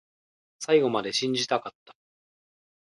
最後まで信じたかった